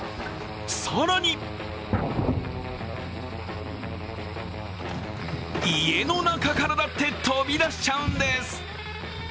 更に家の中からだって飛び出しちゃうんです。